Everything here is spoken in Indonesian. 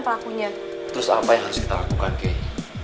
lalu apa yang harus kita lakukan keh